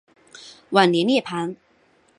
晚年涅盘。